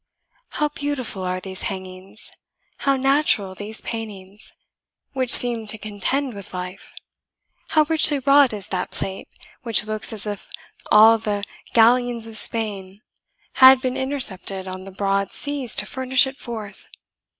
"How beautiful are these hangings! How natural these paintings, which seem to contend with life! How richly wrought is that plate, which looks as if all the galleons of Spain had been intercepted on the broad seas to furnish it forth!